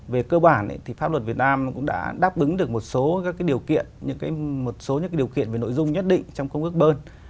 về cơ bản thì pháp luật việt nam cũng đã đáp ứng được một số các điều kiện một số những điều kiện về nội dung nhất định trong công ước bơn